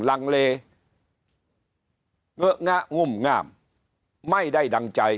ลังเลเงอะงะงุ่มงามไม่ได้ดังใจ